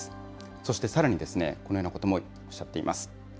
そしてさらにですね、このようなこともおっしゃっています。